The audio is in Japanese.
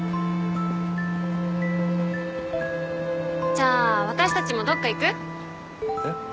じゃあ私たちもどっか行く？えっ？